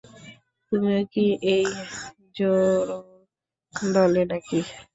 তুমিও কি এই জোরোর দলে নাকি?